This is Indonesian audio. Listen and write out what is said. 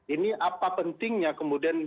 ini apa pentingnya kemudian